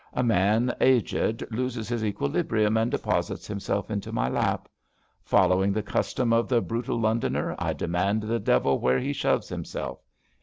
A man aged loses his equilibrium and deposits himself into my lap. Following the custom of the Brutal Londoner I demand the Devil where he shoves himself.